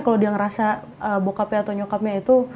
kalau dia ngerasa bokapnya atau nyokapnya itu